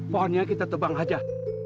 pohonnya kita tebang saja